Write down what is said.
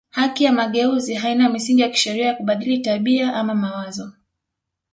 Haki ya mageuzi haina misingi ya kisheria ya kubadili tabia ama mawazo